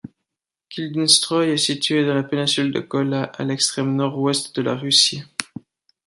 Kildinstroï est située dans la péninsule de Kola, à l'extrême nord-ouest de la Russie.